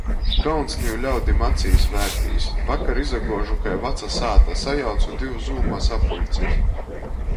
Kauns niu ļaudim acīs vērtīs - vakar izaguožu kai vaca sāta, sajauču div Zūma sapuļcis.